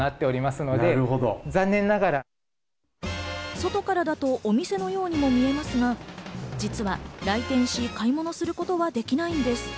外からだとお店のようにも見えますが、実は来店し、買い物することはできないんです。